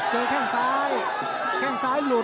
เจอแค่งซ้ายแค่งซ้ายหลุด